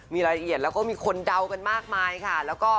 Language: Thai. มีรายละเอียดแล้วก็มีคนเดากันมากมายค่ะ